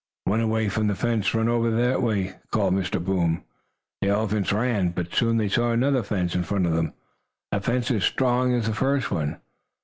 "Run away from the fence! Run over this way!" called Mr. Boom. The elephants ran, but soon they saw another fence in front of them a fence as strong as the first one.